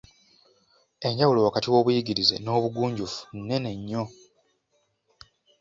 Enjawulo wakati w’obuyigirize n’obugunjufu nnene nnyo.